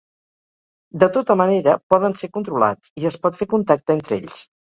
De tota manera, poden ser controlats, i es pot fer contacte entre ells.